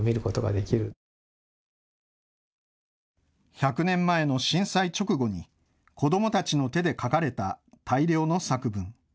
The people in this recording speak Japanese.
１００年前の震災直後に子どもたちの手で書かれた大量の作文。